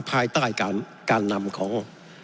ภายใต้การนำของ